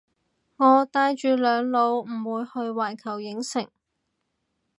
我帶住兩老唔會去環球影城